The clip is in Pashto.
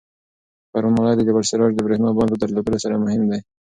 پروان ولایت د جبل السراج د برېښنا بند په درلودلو سره مهم دی.